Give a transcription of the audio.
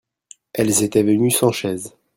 Elles étaient venus sans chaise